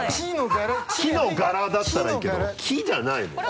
「木の柄」だったらいいけど木じゃないもん。